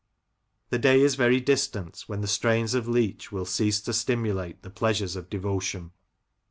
The day is very distant when the strains of Leach will cease to stimulate the pleasures of devotion.'